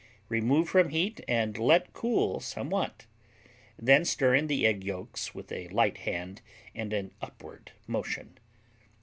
Remove from heat and let cool somewhat; then stir in the egg yolks with a light hand and an upward motion.